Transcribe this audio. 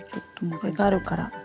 これがあるから。